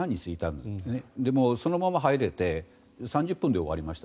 でもそのまま入れて３０分で終わりました。